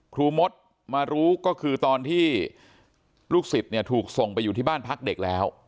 มดมารู้ก็คือตอนที่ลูกศิษย์เนี่ยถูกส่งไปอยู่ที่บ้านพักเด็กแล้ว